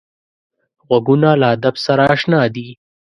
غوږونه له ادب سره اشنا دي